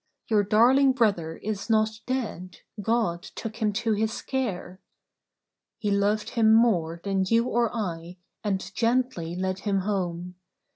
Your darling brother is not dead; God took him to his care. He loved him more than you or I, And gently led him home.